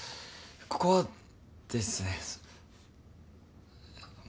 ここはですね